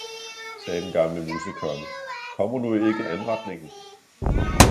« sagde den gamle Musekonge, »kommer nu ikke Anretningen?«